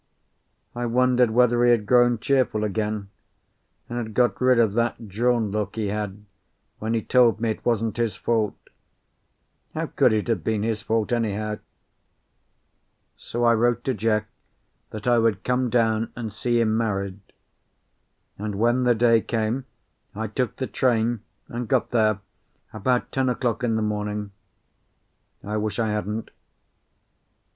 I wondered whether he had grown cheerful again, and had got rid of that drawn look he had when he told me it wasn't his fault. How could it have been his fault, anyhow? So I wrote to Jack that I would come down and see him married; and when the day came I took the train and got there about ten o'clock in the morning. I wish I hadn't.